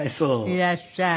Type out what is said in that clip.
いらっしゃーい。